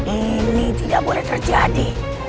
ini tidak boleh terjadi